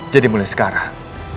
jadi mulai sekarang